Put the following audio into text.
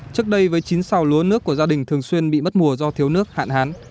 trước đây với chín sao lúa nước của gia đình thường xuyên bị mất mùa do thiếu nước hạn hán